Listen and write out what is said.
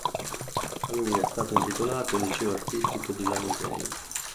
A lui è stato intitolato il liceo artistico di Lanusei